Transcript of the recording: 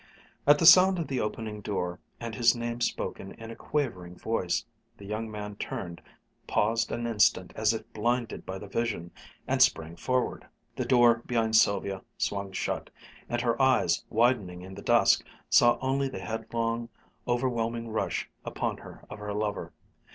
At the sound of the opening door, and his name spoken in a quavering voice, the young man turned, paused an instant as if blinded by the vision, and sprang forward. The door behind Sylvia swung shut, and her eyes, widening in the dusk, saw only the headlong, overwhelming rush upon her of her lover.